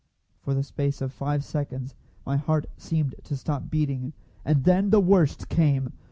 For the space of five seconds my heart seemed to stop beating, and then the worst came.